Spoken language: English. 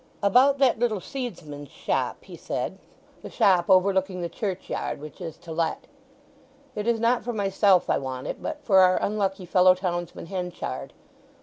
"About that little seedsman's shop," he said, "the shop overlooking the churchyard, which is to let. It is not for myself I want it, but for our unlucky fellow townsman Henchard.